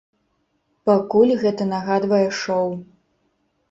Пакуль гэта нагадвае шоў.